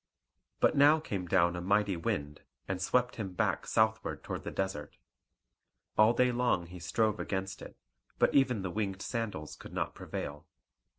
But now came down a mighty wind, and swept him back southward toward the desert. All day long he strove against it; but even the winged sandals could not prevail.